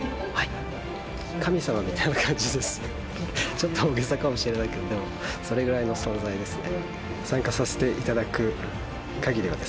ちょっと大げさかもしれないけどそれぐらいの存在ですね。